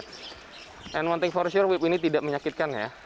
dan satu hal yang pasti ini tidak menyakitkan ya